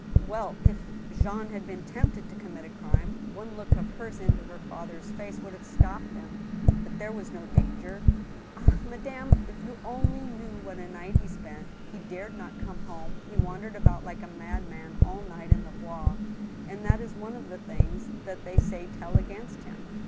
Well! if Jean had been tempted to commit a crime, one look of hers into her father's face would have stopped him. But there was no danger ! Ah ! madame, if you only knew what a night he spent I He dared not come home. He wandered about like a madman all night in the Bois, and that is one of the things that they say tell against him.